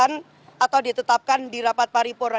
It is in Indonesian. sehingga ini bisa disahkan atau ditetapkan di rapat paripora